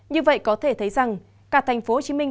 như vậy có thể thấy rằng cả thành phố hồ chí minh